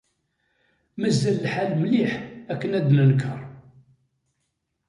Mazal lḥal mliḥ akken ad d-nenker.